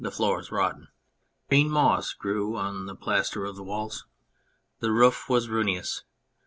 floors rotten ; green moss grew on the plaster of the walls ; the roof was ruinous.